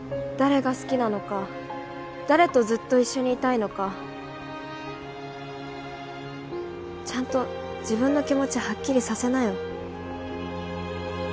誰が好きなのか誰とずっと一緒にいたいのかちゃんと自分の気持ちはっきりさせなよ